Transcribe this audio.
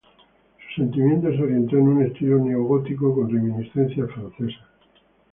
Su sentimiento se orientó en un estilo neogótico con reminiscencias francesas.